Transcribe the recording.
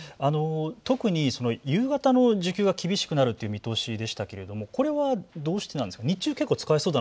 特に夕方の需給が厳しくなるという見通しでしたがこれはどうしてですか。